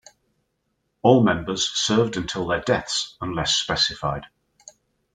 All members served until their deaths unless specified.